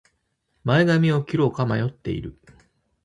前髪を切ろうか迷っている